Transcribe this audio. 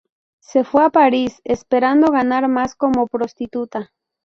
Se fue a París, esperando ganar más como prostituta.